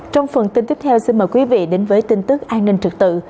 trong phần tin tiếp theo xin mời quý vị đến với tin tức an ninh trực tự